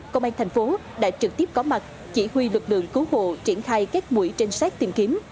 công an thành phố đã trực tiếp có mặt chỉ huy lực lượng cứu hộ triển khai các mũi trinh sát tìm kiếm